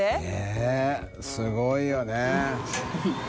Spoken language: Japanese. えぇすごいよね。